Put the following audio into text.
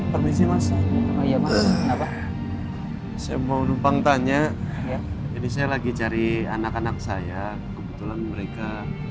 permisi mas apa saya mau numpang tanya jadi saya lagi cari anak anak saya kebetulan mereka